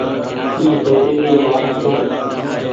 اي سوچي ري وآت ڇي۔